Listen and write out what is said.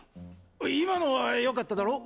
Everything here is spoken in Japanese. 今のはよかっただろ？